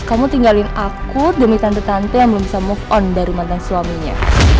kamu tinggalin aku demi tante tante yang belum bisa move on dari mantan suaminya